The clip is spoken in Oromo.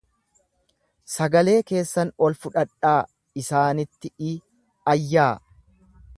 Sagalee keessan ol fudhadhaa isaanitti iayyaa.